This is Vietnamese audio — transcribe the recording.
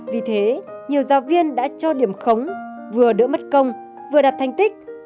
vì thế nhiều giáo viên đã cho điểm khống vừa đỡ mất công vừa đặt thành tích